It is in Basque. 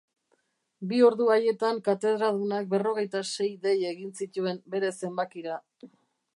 Bi ordu haietan katedradunak berrogeita sei dei egin zituen bere zenbakira.